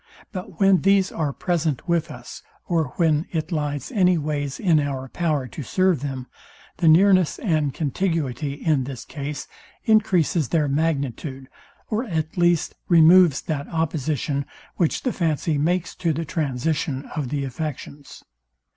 But when these are present with us, or when it lies any ways in our power to serve them, the nearness and contiguity in this case encreases their magnitude, or at least removes that opposition, which the fancy makes to the transition of the affections.